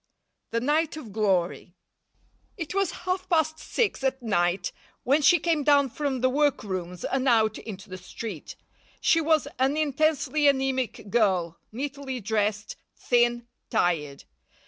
THE NIGHT OF GLORY It was half past six at night when she came down from the workrooms and out into the street. She was an intensely anæmic girl, neatly dressed, thin, tired.